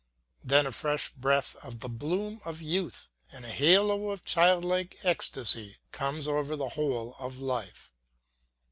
Then a fresh breath of the bloom of youth and a halo of child like ecstasy comes over the whole of life.